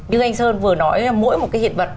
như anh sơn vừa nói mỗi một cái hiện vật